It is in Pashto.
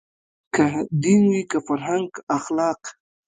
که دین وي که فرهنګ که اخلاق